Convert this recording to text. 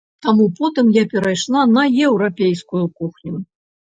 Таму потым я перайшла на еўрапейскую кухню.